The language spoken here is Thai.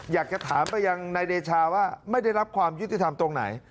อยากจะถามไปยังนายเดชาว่าไม่ได้รับความยุติธรรมตรงไหน